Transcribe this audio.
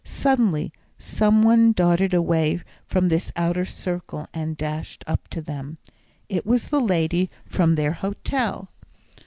Suddenly some one darted away from this outer circle and dashed up to them. It was the lady from their hotel.